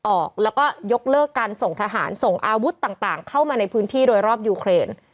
ออกแล้วก็ยกเลิกการส่งทหารส่งอาวุธต่างเข้ามาในพื้นที่โดยรอบยูเครน